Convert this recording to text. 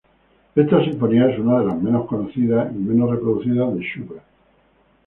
Esta sinfonía es una de las menos conocidas y menos reproducidas de Schubert.